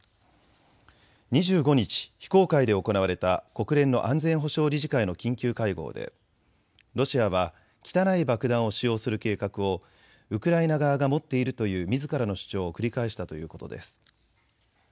２５日、非公開で行われた国連の安全保障理事会の緊急会合でロシアは汚い爆弾を使用する計画をウクライナ側が持っているというみずからの主張を繰り返したということです。